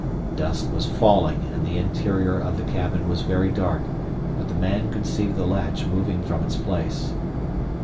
Dusk was falling, and the interior of the cabin was very dark; but the man could see the latch moving from its place.